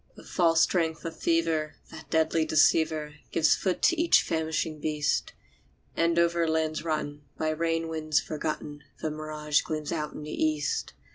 The false strength of fever, that deadly deceiver, Gives foot to each famishing beast; And over lands rotten, by rain winds forgotten, The mirage gleams out in the east.